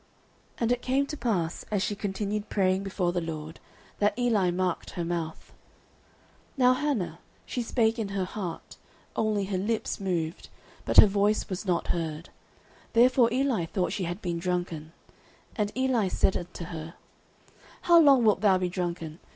09:001:012 And it came to pass, as she continued praying before the LORD, that Eli marked her mouth. 09:001:013 Now Hannah, she spake in her heart; only her lips moved, but her voice was not heard: therefore Eli thought she had been drunken. 09:001:014 And Eli said unto her, How long wilt thou be drunken?